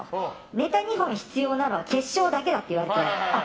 ネタ２本必要なのは決勝だけだって言われて。